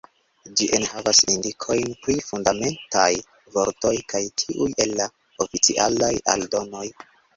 Ĝi enhavas indikojn pri Fundamentaj vortoj kaj tiuj el la Oficialaj Aldonoj.